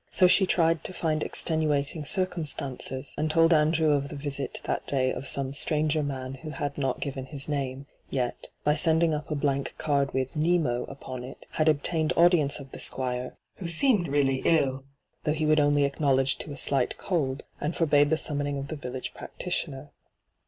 So she tried to find extenuating oircumstanoes, and told Andrew of the visit that day of some stranger man who had not given his name, yet, by sending up a blank card with ' Nemo ' npon it, had obtained audience of the Squire, who seemed really ill, hyGoogIc ENTRAPPED 21 though he would only acknowledge to a sUght cold, and forbade the summoning of the village practitioner.